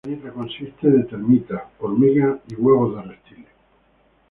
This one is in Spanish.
La dieta consiste de termitas, hormigas y huevos de reptiles.